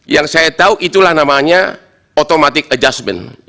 yang saya tahu itulah namanya automatic adjustment